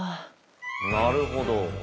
なるほど。